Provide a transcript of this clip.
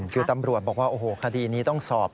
คือตำรวจบอกว่าโอ้โหคดีนี้ต้องสอบ